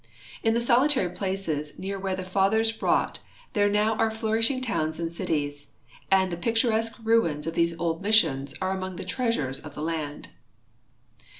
In the solitary places near where the fathers wrought there are now flourishing towns and cities, and the picturesque ruins of these old missions are among the treasures of the land.